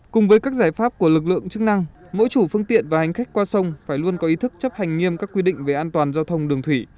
cùng với các giải pháp của lực lượng chức năng mỗi chủ phương tiện và hành khách qua sông phải luôn có ý thức chấp hành nghiêm các quy định về an toàn giao thông đường thủy